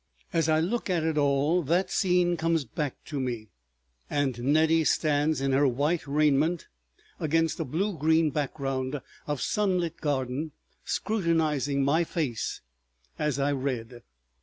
As I look at it all that scene comes back to me, and Nettie stands in her white raiment against a blue green background of sunlit garden, scrutinizing my face as I read.